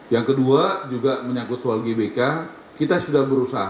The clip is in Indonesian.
yang kedua juga menyangkut soal gbk kita sudah berusaha